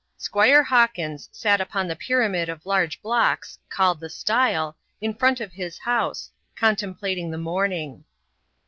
Squire Hawkins sat upon the pyramid of large blocks, called the "stile," in front of his house, contemplating the morning.